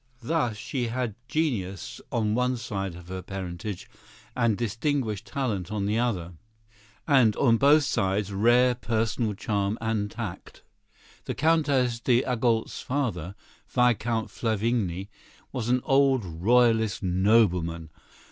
Thus she had genius on one side of her parentage and distinguished talent on the other; and, on both sides, rare personal charm and tact. The Countess d'Agoult's father, Viscount Flavigny, was an old Royalist nobleman.